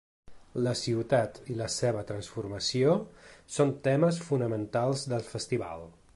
La ciutat i la seva transformació són temes fonamentals del festival.